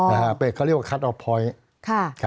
เขาเรียกว่าคัตออฟพอยต์